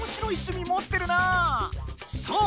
そう！